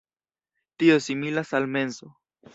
Tio similas al menso.